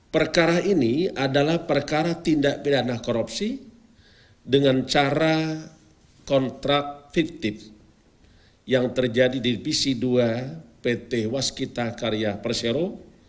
perkara ini adalah perkara tindak pidana korupsi dengan cara kontrak fiktif yang terjadi di pc dua pt waskita karya persero